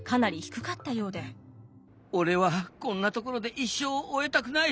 俺はこんなところで一生を終えたくない。